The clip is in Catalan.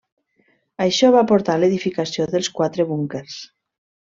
Això va portar a l'edificació dels quatre búnquers.